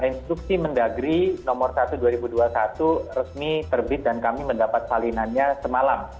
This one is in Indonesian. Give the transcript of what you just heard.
instruksi mendagri nomor satu dua ribu dua puluh satu resmi terbit dan kami mendapat salinannya semalam